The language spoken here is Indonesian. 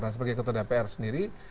dan sebagai ketua dpr sendiri